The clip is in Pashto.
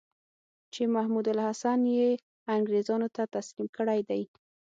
چې محمودالحسن یې انګرېزانو ته تسلیم کړی دی.